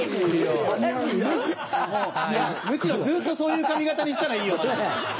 むしろずっとそういう髪形にしたらいいよ。